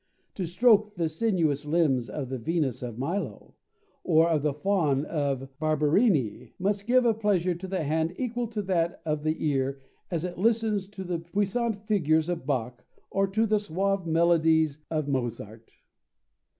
To stroke the sinuous limbs of the Venus of Milo or of the Faun of Barberini must give a pleasure to the hand equal to that of the ear as it listens to the puissant fugues of Bach or to the suave melodies of Mozart."